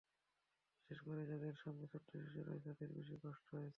বিশেষ করে যাদের সঙ্গে ছোট্ট শিশু রয়েছে, তাদের বেশি কষ্ট হয়েছে।